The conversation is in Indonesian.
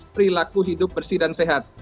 perilaku hidup bersih dan sehat